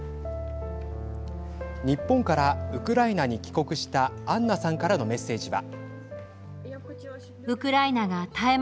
日本からウクライナに帰国したアンナさんからのメッセージは。